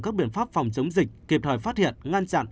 các biện pháp phòng chống dịch kịp thời phát hiện ngăn chặn